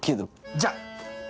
じゃあ！